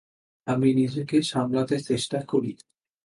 আমি নিজেকে সামলাতে চেষ্টা করি।